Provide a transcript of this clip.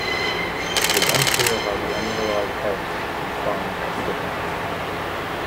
It is unclear how the unmineralized head and spines were stiffened.